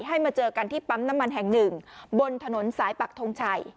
ให้มาเจอกันที่ปั๊มน้ำมันแห่งหนึ่งบนถนนสายปักทงชัย